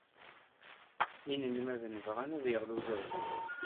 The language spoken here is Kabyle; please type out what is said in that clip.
Inelmaden bɣan ad yeɣli udabu.